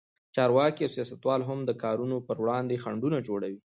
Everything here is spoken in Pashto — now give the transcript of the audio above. چارواکي او سیاستوال هم د کارونو پر وړاندې خنډونه جوړوي.